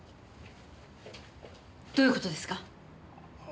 どういう事ですか？